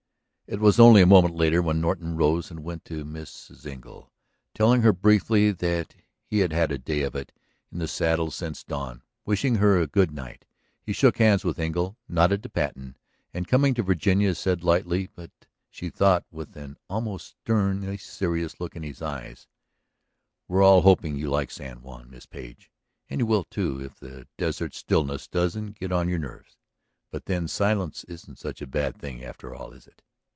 It was only a moment later when Norton rose and went to Mrs. Engle, telling her briefly that he had had a day of it, in the saddle since dawn, wishing her good night. He shook hands with Engle, nodded to Patten, and coming to Virginia said lightly, but, she thought, with an almost sternly serious look in his eyes: "We're all hoping you like San Juan, Miss Page. And you will, too, if the desert stillness doesn't get on your nerves. But then silence isn't such a bad thing after all, is it?